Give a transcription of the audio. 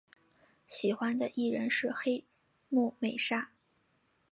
喜欢的艺人是黑木美纱。